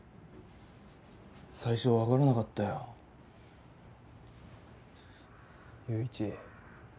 最初はわからなかったよ友一。